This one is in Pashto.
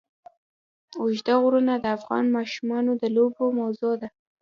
اوږده غرونه د افغان ماشومانو د لوبو موضوع ده.